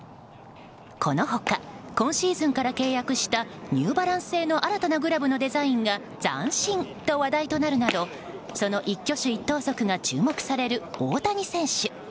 この他、今シーズンから契約したニューバランス製の新たなグラブのデザインが斬新と話題となるなどその一挙手一投足が注目される大谷選手。